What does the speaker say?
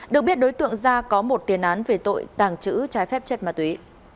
được biết đối tượng ra có một tiền án về tội tàng trữ trái phép chết ma túy